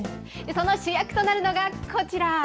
その主役となるのがこちら。